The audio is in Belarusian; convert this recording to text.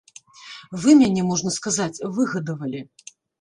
Вы мяне, можна сказаць, выгадавалі.